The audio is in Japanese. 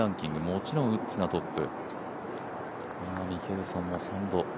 もちろんウッズがトップ。